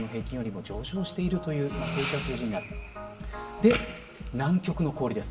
で、南極の氷です。